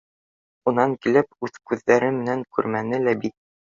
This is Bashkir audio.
Унан килеп, үҙ күҙҙәре менән күрмәне лә бит